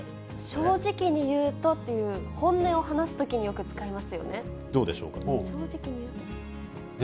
正直に言うとっていう、本音を話すときによく使いますよどうでしょうか。